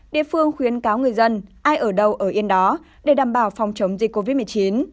địa phương khuyến cáo người dân ai ở đâu ở yên đó để đảm bảo phòng chống dịch covid một mươi chín